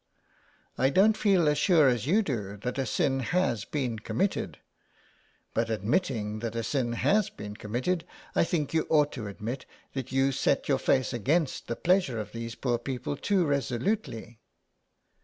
" I don't feel as sure as you do that a sin has been committed, but admitting that a sin has been committed, I think you ought to admit that you set your face against the pleasure of these poor people too resolutely."